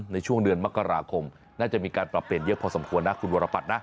ในช่วงเดือนมกราคมน่าจะมีการปรับเปลี่ยนเยอะพอสมควรนะคุณวรปัตรนะ